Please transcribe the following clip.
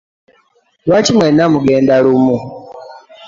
Lwaki mwena mugenda lumu?